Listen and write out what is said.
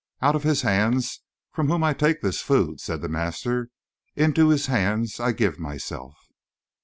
"Out of His hands from whom I take this food," said the master "into His hands I give myself."